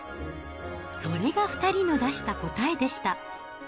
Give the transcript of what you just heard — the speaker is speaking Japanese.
それが２人の出した答えでした。